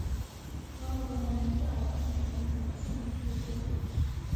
婆罗门教奉行种姓制度。